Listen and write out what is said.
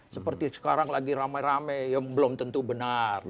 seperti sekarang lagi rame rame yang belum tentu benar